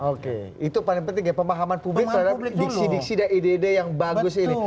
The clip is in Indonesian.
oke itu paling penting ya pemahaman publik terhadap diksi diksi dan ide ide yang bagus ini